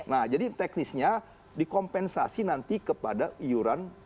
nah jadi teknisnya dikompensasi nanti kepada iuran